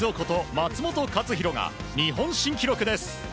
松元克央が日本新記録です。